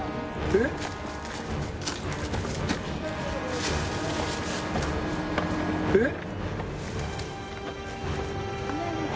えっ？えっ？